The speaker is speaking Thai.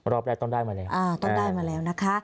รอบต้นได้มาแล้ว